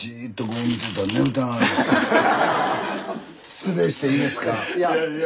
失礼していいですか？